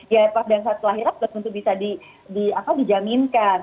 ya pada saat lahiran tentu bisa dijaminkan